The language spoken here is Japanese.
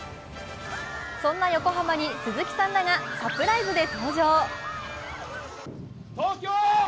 そんな横浜に鈴木さんらがサプライズで登場。